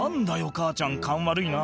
母ちゃん勘悪いな」